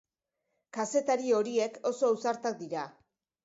Kazetari horiek oso ausartak dira.